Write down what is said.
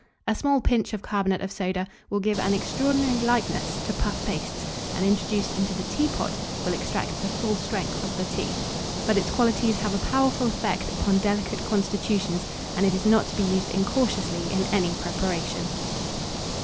A small pinch of carbonate of soda will give an extraordinary lightness to puff pastes; and, introduced into the teapot, will extract the full strength of the tea. But its qualities have a powerful effect upon delicate constitutions, and it is not to be used incautiously in any preparation.